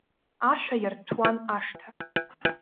Ашәа иарҭәуан ашҭа.